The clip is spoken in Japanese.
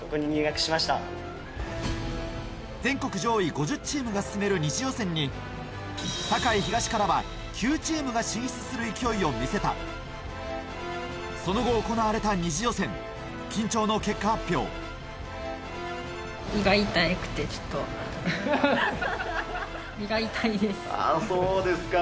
全国上位５０チームが進める２次予選に栄東からは９チームが進出する勢いを見せたその後行われた２次予選緊張の結果発表あっそうですか。